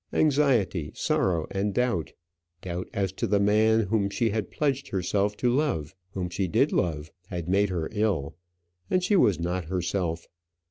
Anxiety, sorrow, and doubt doubt as to the man whom she had pledged herself to love, whom she did love had made her ill, and she was not herself.